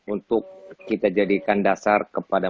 untuk kita jadikan dasar kepada